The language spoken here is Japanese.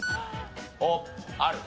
おっある。